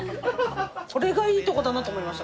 これがいいとこだなと思いました。